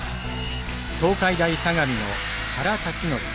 東海大相模の原辰徳。